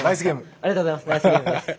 ありがとうございます！